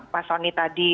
pak sony tadi